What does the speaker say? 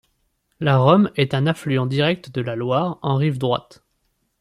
La Romme est un affluent direct de la Loire en rive droite.